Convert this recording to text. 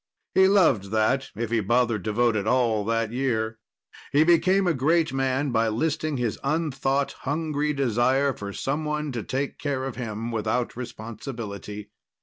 He loved that, if he bothered to vote at all that year. He became a great man by listing his unthought, hungry desire for someone to take care of him without responsibility.